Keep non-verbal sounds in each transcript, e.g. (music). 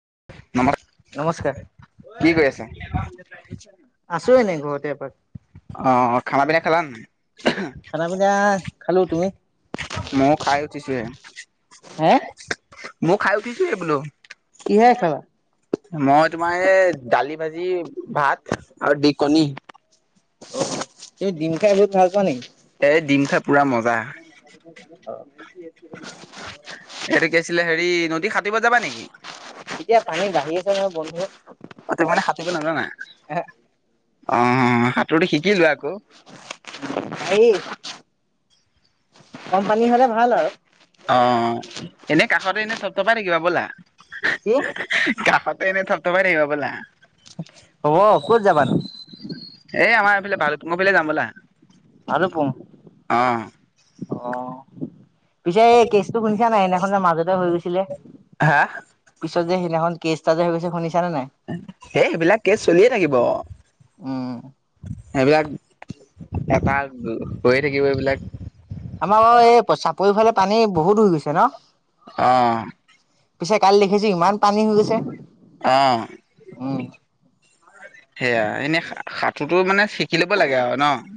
(unintelligible) নমস্কাৰ কি কৰি আছা? আছো এনেই ঘৰতে এপাক অ' খানা পিনা খালা নাই? খানা পিনা খালো তুমি মও খাই উঠিছোহে হে মও খাই উঠিছোহে বোলো কিহে খালা মই তোমাৰ এই দালি ভাজি ভাত আৰু দি কণী অ তুমি ডিম খাই বহুত ভাল পোৱা নেকি এ ডিম খাই পুৰা মজা। (unintelligible) এইটো কি আছিলে হেৰি নদী সাতুৰিব যাবা নেকি এতিয়া পানী বাঢ়ি আছে নহয় বন্ধু ত মানে সাতুৰিব নাযানা অ সাঁতোৰটো শিকি লোৱা আকৌ এই কম পানী হলে ভাল আৰু অ এনে কাষতে এনে থপথপাই থাকিবা ব'লা কি কাষতে এনেই থপ পাই থাকিবা বলা হ'ব ক'ত যাবানো এ আমাৰ এইফাল ভালপুঙৰফালে যাম ব'লা ভালুকপুং অ' অ পিছে এই কেচটো শুনিছা নাই সিদিনাখন মাজতে হৈ গৈছিলে হা এই পিছত যে সিদিনাখন কেচ এটা যে হৈ গৈছে শুনিছানে নাই এ এইবিলাক কেচ চলিয়ে থাকিব আও উম হেইবিলাক এটা হৈয়ে থাকিব এইবিলাক আমাৰ বাৰু এই চাপৰিৰ ফালে পানী বহুত হৈ গৈছে ন? অ পিছে কালি দেখিছো ইমান পানী হৈ গৈছে! অ উম সেইয়া এনে সাতোটো টো মা শিকি ল'ব লাগে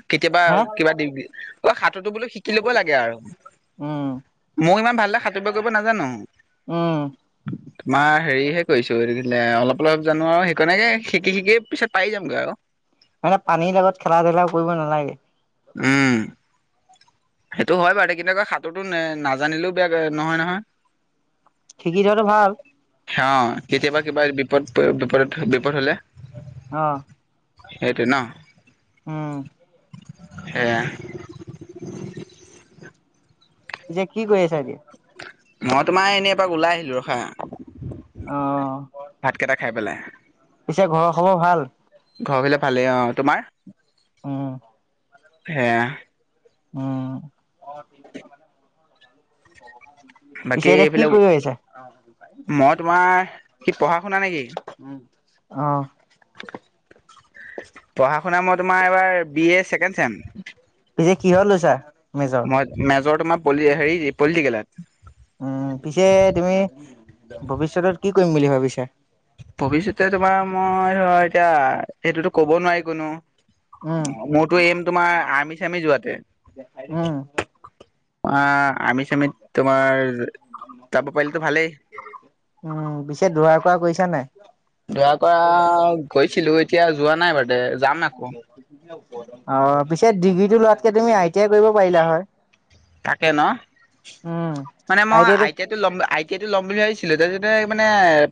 কেতিয়াবা হে সাতুটো অ'শিকি ল'ব লাগে উম (unintelligible) মই ইমান ভালকে সাতুঁৰিব কৰিব নাজানো৷ উম। তোমাৰ হেৰিহে কৰিছোঁ অলপ অলপ জানো আৰু সেইকাৰণে শিকি শিকি পিছত পাৰি যামগৈ আৰু। মানে পানীৰ লগত খেলা ধূলা কৰিব নালাগে৷ উম। সেইটো হয় বাৰু কিন্তু আকৌ সাঁতোৰটো নাজানিলেও বেয়া নহয় নহয় শিকি থোৱাটো ভাল৷ হা কেতিয়াবা কিবা বিপদ বিপদ বিপদ হ'লে অ সেই টো ন উম। সেয়া যে কি কৰি আছা এতিয়া? মই তোমাৰ এনেই এপাক ওলাই আহিলো অ ৰখা৷ ভাতকেইটা খাই পেলাই পিছে ঘৰৰ খবৰ ভাল? ঘৰ ফালে ভালেই অ তোমাৰ? উম। হেহ উম (unintelligible) বাকী পিছে এতিয়া কি এইফালে কৰি আহিছা? মই তোমাৰ কি পঢ়া শুনা নেকি? উম। অ পঢ়া শুনা মই তোমাৰ এইবাৰ বি এ ছেকেণ্ড চেম৷ পিছে কিহত লৈছা মেজৰ মই মেজৰ তোমাৰ পলি হেৰি পলিটিকেলত৷ উম পিছে তুমি ভৱিষ্যতত কি কৰিম বুলি ভাবিছা? ভৱিষ্যতে তোমাৰ মই এতিয়া এইটোতো ক'ব নোৱাৰি উম কোনো৷ মোৰতো এইম তোমাৰ আৰ্মি চাৰমি যোৱাতহে৷ উম। অ আৰ্মি চাৰ্মিত তোমাৰ যাব পাৰিলেতো ভালেই৷ উম পিছে দৌৰা কৰা কৰিছা নাই? দৌৰা কৰা গৈছিলো৷ এতিয়া যোৱা নাই বাদে যাম আকৌ৷ অ পিছে ডিগ্ৰী টো লোৱাতকে তুমি আই টি আই কৰিব পাৰিলা হয়৷ তাকে ন? উম মানে মই আই টি আই টো ল'ম আই টি আই টো ল'ম (unintelligible) তাৰছতে মানে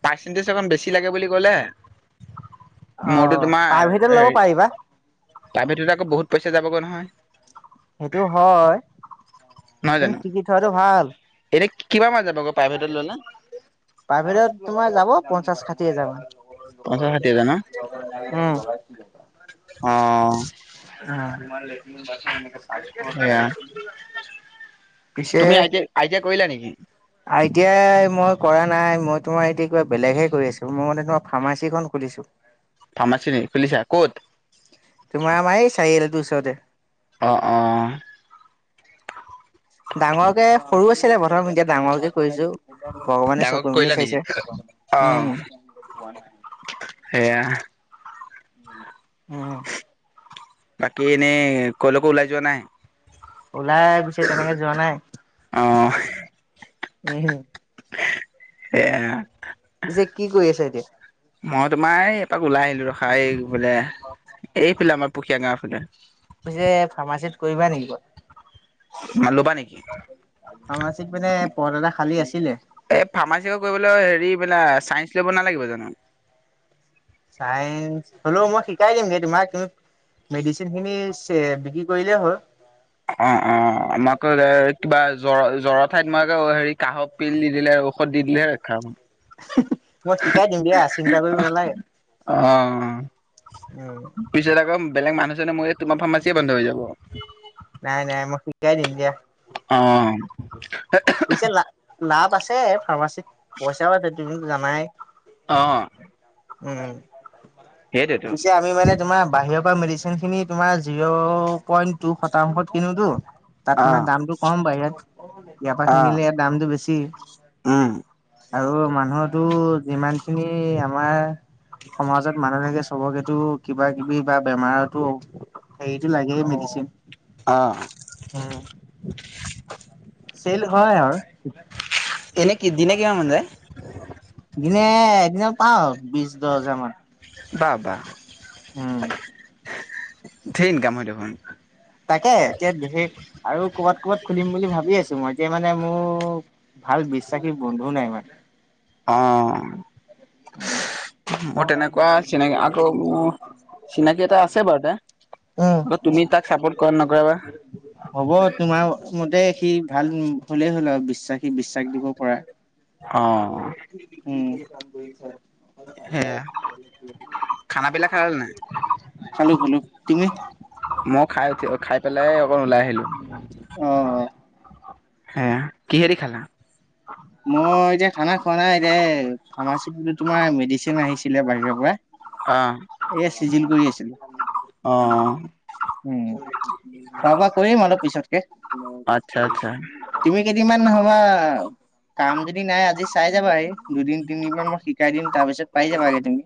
পাৰ্চেন্টেজটো অকন বেছি লাগে বুলি কলে৷ অ মোৰতো তোমাৰ প্ৰাইভেটত ল'ব হেৰি পাৰিবা প্ৰাইভেটত আকৌ বহুত পইচা যাবগৈ নহয়! সেইটো হয়৷কিন্তু শিকি থোৱাটো ভাল৷ এতিয়া কিবা মান যাব আকৌ প্ৰাইভেটত লৈলে? প্ৰাইভেটত তোমাৰ যাব পঞ্চাশ ষাঠি পঞ্চাশ ষাঠি হাজাৰ ন মান৷ উম্। আহ অ মই লেটিন, ৱাথৰোম এনেকে ৰ্চাফৰ লগত সেয়া লৈ (unintelligible) তুমি আই, আইতিয়া কৰিলা নেকি? এতিয়া মই কৰা নাই মই তোমাৰ এতিয়া কিবা বেলেগহে কৰি আছো মই ম ফাৰ্মাচিখন খুলিছো। ফাৰ্মাচী ন খুলিছা ক'ত? তোমাৰ আমাৰ চাৰিআলি তোৰ ওচৰতে। অ-অ, ডাঙৰকে সৰু আছিলে প্ৰথম এতিয়া ডাঙৰকে কৰিছো ভগৱানে ডাঙৰকে চকু মেলি কৰিলা নেকি চাইছে। অ উম, সেয়া উম বাকী এনেই কলৈকো ওলাই যোৱা নাই? ওলাই পিছে তেনেকে যোৱা নাই অ উম। (unintelligible) যে কি কৰি আছ এতিয়া। তাক ওলাই আহিলো ৰখাই বোলে এইফালে আমাৰ পুখীয়া গাঁওৰ ফালে। পিছে ফাৰ্মাচীত কৰিবা নেকি কোৱা। ল'বা নেকি সামাজিক মানে পথ এটা খালী আছিল। এই ফাৰ্মাচী কৰিবলৈ হেৰি বোলে (unintelligible) নালাগিব জানো চাইস হ'লেও মই শিকাই দিমগে তোমাক তুমি। মেডিচিন খিনি চ বিক্ৰী কৰিলেই হ'ল। অ', অ', আমাক (unintelligible) কিবা জ্বৰ জ্বৰ ঠাইত মে হেৰি কাঁহৰ পিল দি দিলে ঔষধ দি দিলেহে ৰক্ষা হ'ব। মই শিকাই দিম দিয়া চিন্তা কৰিব নালাগে। অ উম পিছত আকৌ বেলেগ মানুহজনে মই তোমাৰ ফাৰ্মাচী বন্ধ হৈ যাব নাই নাই মই শিকাই দিম দিয়া। অহ। পিছে লা লাভ আছে ফাৰ্মাচীত পইচাও তুম জানাই। অ উম সেইটোৱেতো পিছে আমি মানে তোমাৰ বাহিৰত মেডিচিন খিনি তোমাৰ জিৰ' পইণ্ট। শতাংশত কিনোতো তাত অ মানে দামতটো কম বাহিৰত। ইয়াৰপৰা অ কিনিলে ইয়াৰ দামটো বেছি। উম। আৰু মানুহতো যিমান খিনি। আমাৰ সমাজত মানুহ থাকে চবকেতো কিবা কিবি বা বেমাৰতো। সেইটো লাগে মেডিচিন অ চেল হয় আৰু এনে কি দিনে কিমান মান যায় সদিনে এদিন পাওঁ বিশ দহ হাজাৰ মান বা বা উম ধেইইনকাম হৈ দেখোন তাকে এতিয়া সেই আৰু কৰ'বাত ক'বাত খুলিম বুলি ভাবি আছো মই এতিয়া মানে মোৰ ভাল বিশ্বাসী বন্ধুও নাই মানে অ হয় মোৰ তেনেকুৱা চিনাকি আকৌ চিনাকি এটা আছে বাৰু তে আকৌ উম তুমি তাক চাপৰ্ট কৰা নকৰা বা হব তোমাৰ মতে সি ভাল হ'লেই হ'ল আও, বিশ্বাসী বিশ্বাস দিব পৰা। অ'। উম, (unintelligible) হেয়া খানাবিলা খালা নে নাই? খালো খালো তুমি মই খাই উঠি, অ' খাই পেলাই অকণ ওলাই আহিলোঁ। অ হে কিহেদি খালা? মই এতিয়া খানা খোৱা নাই এতিয়া ফাৰ্মাচীো তোমাৰ মেডিচিন আহিছিলে বাহিৰৰ পৰা অ এয়া চিজিল কৰি অ আছিলো উম খোৱা বোৱা কৰিম অলপ পিছতকে আচ্ছা আচ্ছা তুমি কেইদিনমান সমবা কাম যদি নাই আজি চাই যাবা হ দুদিন তিনদিন মমান মই শিকাই দিম তাৰ পিছত পাই যাবাগে তুমি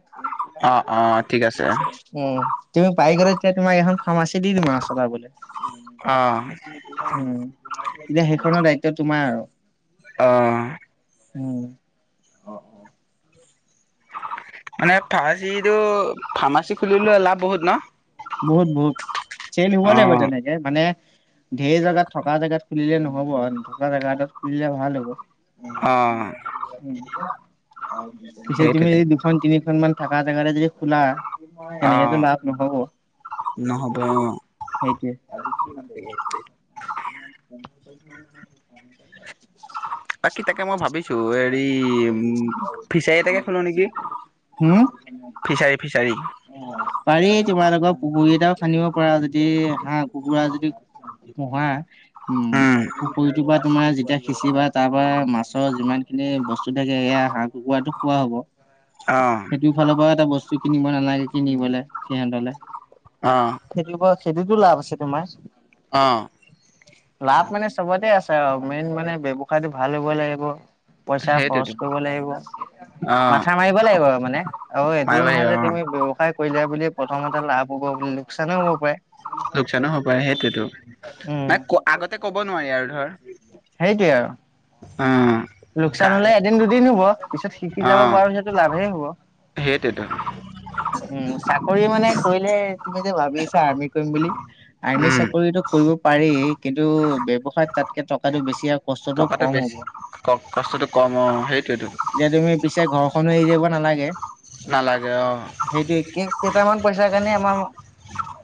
অ অ ঠিক আছে অ উম তুমি পাই গ তেতি মই হখন ফাৰ্মাচী দি দিম আৰু চলা বোলে উম এতিয়া হেখনৰ দায়িত্ব তোমাৰ আৰু। আহ উ অ অ মানে ফাৰ্মাচীটো ফাৰ্মাচী খুলিলে অলাভ বহুত ন বহুত বহুত চেল হব অ লাগিব যেনেকে মানে ঢেৰ জেগাত, থকা জেগাত খুলিলে নহ'ব আৰু নথকা জেগা এটাত খুলিলে ভাল হ'ব। অ'। উ পিছে তুমি সেইটোতে যদি দুখন তিনিখন মান থকা জেগাতে যদি খোলা অ তেনেকেতো লাভ নহব নহ'ব অ সেইটোৱে আজি কি মানে পোন্ধ তাৰিখ অ বাকী তাকে মই ভাবিছো হৰি উম ফিচাৰী এটাকে খোলো নেকি হম? ফিচাৰী ফিচাৰি পাৰি তোমালোকৰ পুখুৰী এটাও খান্দিব পাৰা যদি হাঁহ কুকুৰা যদি পোহা উম পুখুৰীটোৰ পৰা তোমাৰ যেতিয়া সিঁচিবা তাৰ পৰাৰা মাছৰ যিমান এনেই বস্তু থাকে এয়া হাঁহ কুকুৰাতো খোৱা হ'ব অ সেইটো ফালৰ পৰা এটা বস্তু কিনিব নালাগে কিনিবলৈ সিহঁতলে অ সেইটো সেইটোতো লাভ আছে তোমাৰ অ লাভ মানে চবতে আছে আৰু মেইন মানে ব্য্ৱসায়টো ভাল হ'ব লাগিব পইচা খৰচ সেইটোতো কৰিব লাগিব অ মাথা মাৰিব লাগিব মানে। অ' এইটোও মাৰিব লাগিব নহয় যে অ তুমি িয়া বুল প্ৰথমতে লাভ হ'ব বুলিুলো লোকচানো হ'ব পাৰে সেইটোতো উম মানে আগতে কব নোৱাৰি আৰু ধৰ সেইটোৱে আৰু অ'। লোকচান কা হলে এদিন দুদিন হব পিছত শিকি অ যাব পাৰ পিছতো লাভেই হব সেইটোৱেতো উম চাকৰি মানে কৈলেে তুমি যে ভাবি আছা আৰ্মি কৰিম বুলি আৰ্মি উম চাকৰিতটো কৰিব পাৰি কিন্তু ব্যৱসায়ত তাতকে টকাটো বেছি আৰু কষ্টতটো টকাটো কম হ'ব বেছি ক কষ্টটো কম অ সেইটোৱেতো এতিয়া তুমি পিছেছে ঘৰখনো এৰি যাব নালাগে নালাগে অ সেইটোয়ে কেইটামান পইচা কাৰণে আমাৰ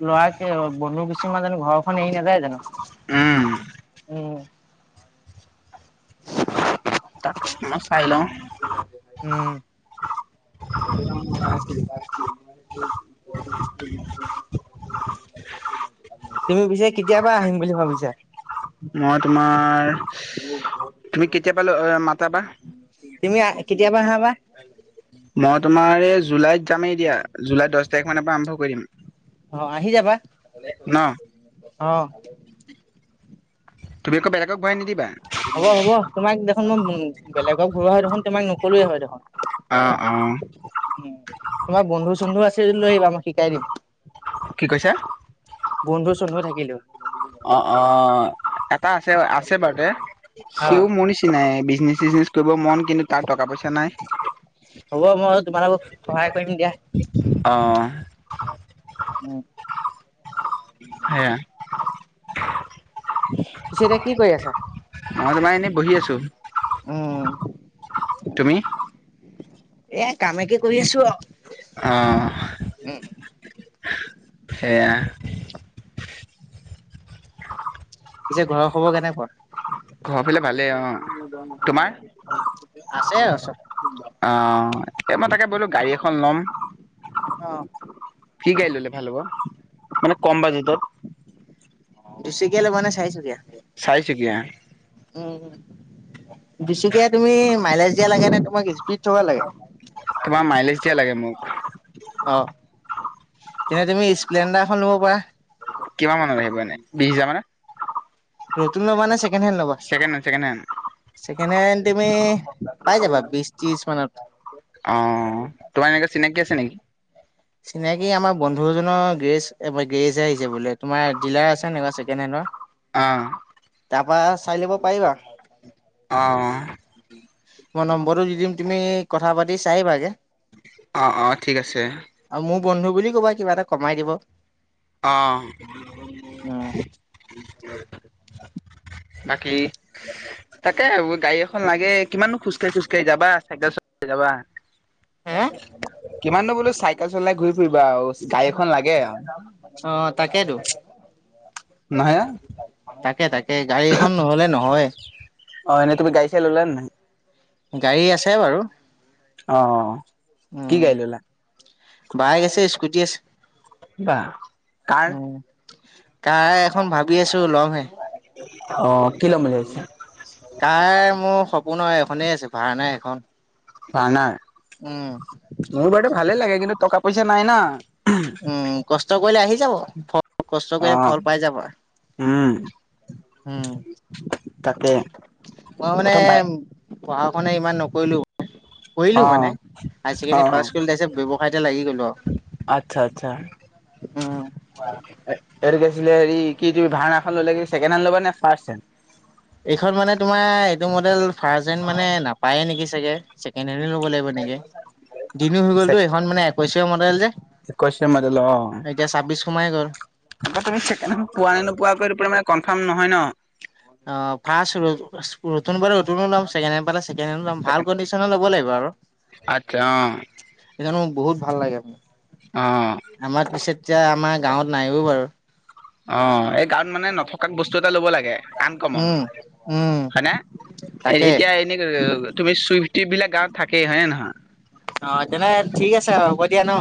লৰাৰাকে বন্ধু কিছি ম জানো ঘৰখন এৰি নাযায় জানো উম উ। ত মই চাই লওঁ উম টো য মই কাইছিল তুমি পিছে কেতিয়াবা আহিম বুলি ভাবিছা? মই তোমাৰ তুমি কেতিয়াবা মাতাবা। তুমি কেতিয়াবা আহা বা। মই তোমাৰ এই জুলাইত যামেই এ দিয়া জুলাই দশ তাৰিখ মানৰ পৰা আৰম্ভ কৰি দিম। অ আহি যাবা ন অহ। তুমি আকৌ বেলেগক ভৰাই নিদিবা। হ'ব হ'ব তোমাক দেখোন মই বেলেগক ভৰালৈ হয় দেখোন তোমাক নকলোৱে হয় দেখোন। অ অ উম তোমাৰ বন্ধু চন্ধু আছে যদি লৈ আহিবা আমাক শিকাই দিম। কি কৈছে? বন্ধু চুন্ধও থাকিলো। অ অ এটা আছে আছে বাৰুতে অ সিও মোৰ নিচিনাই বিজনেচ বিজনেছ কৰিব মন কিন্তু তাৰ টকা পইচা নাই হ'ব মই তোমালোকক সহায় কৰিম দিয়া। (unintelligible) উম সেইয়া। (inaudible) পিছে এতিয়া কি কৰি আছা? মই তোমাৰ এনেই বহি আছো। উম তুমি এ কামে কে কৰি আছো। অহ উম সেয়া পিছে ঘৰৰ খবৰ কেনেকুৱা? ঘৰ ফালে ভালেই অ তোমাৰ? আছে আৰু চব। অ' এ মই তাকে বোলো গাড়ী এখন লম। অ কি গাড়ী ললে ভাল হ'ব মানে কম বাজেটত? দুচকীয়া লব নে চাৰিচকীয়া? চাৰিচকীয়া। উম, দুচকীয়া তুমি মাইলেজ দিয়া লাগে নে তোমাক স্পীড থকা লাগে? তোমাৰ মাইলেজ দিয়া লাগে মোক। অ' তেনে তুমি স্প্লেণ্ডাৰ এখন ল'ব পাৰা। কিমান মানত আহিব এনেই (unintelligible) নতুন লবা নে, ছেকেণ্ডহেণ্ড লবা? ছেকেণ্ড হেণ্ড ছেকেণ্ড হেণ্ড তুমি পাই যাবা বিশ ত্ৰিশ মানত। অ' তোমাৰ এনেকা চিনাকি আছে নেকি? চিনাকি আমাৰ বন্ধুজনৰ গেৰেজ-গেৰেজ আহিছে বোলে তোমাৰ ডিলাৰ আছে এনেকুৱা ছেকেণ্ড হেণ্ডৰ। অ তাৰপা চাই লব পাৰিবা? অ মই নম্বৰটো দি দিম তুমি কথা পাতি চাই আহিবাগে। অ অ ঠিক আছে আৰু মোৰ বন্ধু বুলি কবা কিবা এটা কমাই দিব। অ'। উম (unintelligible) তাকে গাড়ী এখন লাগে কিমান নো খোজ কাঢ়ি, (unintelligible) কাঢ়ি যাবা চাইকেল চলাই যাবা। হে কিমাননো বোলো চাইকেল চলাই ঘূৰি ফুৰিবা আৰু গাড়ী এখন লাগে। অ' তাকেতো। নহয় ন? তাকে, তাকে গাড়ী এখন নহলে নহয়। অ' এনে তুমি গাড়ি চাৰি ললা নাই। গাড়ী আছে বাৰু। অ' কি উম। গাড়ী ললা? বাইক আছে স্কুটি আছে। বাহ কাৰ। উম কাৰ এখন ভাবি আছো লম হে। অ কি লম মিলাইছা। কাৰ মোৰ সপোনত এখনেই আছে ভাৰ্ণা এখন। ভাৰ্ণাৰ উম। মোৰ বাদে ভালে লাগে কিন্তু টকা পইচা নাইনা। উম কষ্ট কৰিলে আহি যাব। কষ্ট অ কৰি ফল পাই যাবা। উম উম' তাকে মই মানে প্ৰথম বাই পঢ়া- শুনা ইমান নকৰিলোঁ। কৰিলো অ মানে অ হাইছেকণ্ডাৰী পাছ কৰি লৈছে ব্যৱসাতে লাগি গলো। আচ্ছা আচ্ছা উম, (unintelligible) এ হেৰি কি তুমি ভাৰ্ণাখন ল'লে ছেকেণ্ডহেণ্ড লব নে ফাৰ্ষ্ট হেণ্ড? এইখন মানে তোমাৰ এইটো মডেল ফাৰ্ষ্ট হেণ্ড মানে নাপায়ে নেকি চাগে। ছেকেণ্ড হেণ্ডয়ে লব লাগিব নেকি বিক্ৰী হৈ গ'লটো এইখন মানে একৈশৰ মডেল যে, একৈশৰ মডেল এতিয়া অ ছাব্বিশ সোমাই তুমিেকেড গ'ল। (unintelligible) পোৱা নপোৱাকৈ (unintelligible) কনফাৰ্ম নহয় ন, অ ফাৰ্ষ্ট (unintelligible) নতুন হ'লে নতুনে লম ছেকেণ্ড হেণ্ড পালে- (unintelligible) ভাল কণ্ডিচনে ল'ব লাগিব আৰু আচ্ছা (unintelligible) বহুত ভাল লাগে। আহ আমাৰ পিছত এতিয়া আমাৰ গাঁৱত নাই ও বাৰু অ এই গাঁৱত মানে নথকা বস্তু এটা ল'ব লাগে আনকমন উম, উম, হয় না? এ তাকে। এতিয়া এনেকে তুমি চুইফতি বিলাক গাওঁত থাকেই হয় নে নহয়। অ তেনে ঠিক আছে। হ'ব দিয়া ন?